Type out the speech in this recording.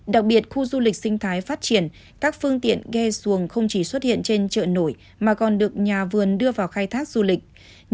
đặc biệt khu du lịch sinh thái phát triển các phương tiện ghe xuồng không chỉ xuất hiện trên chợ nổi mà còn được nhà vườn đưa vào khai thác du lịch